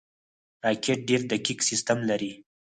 راکټ ډېر دقیق سیستم لري